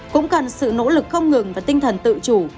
cũng cần sự nỗ lực không ngừng và tinh thần tự chủ